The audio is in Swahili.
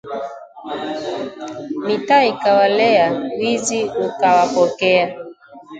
Mitaa ikawalea, wizi ukawapokea